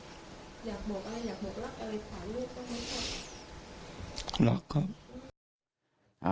อยากบอกอะไรอยากบอกรักอะไรกับลูกของพ่อครับ